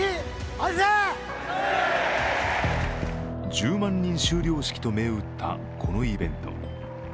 １０万人修了式と銘打ったこのイベント。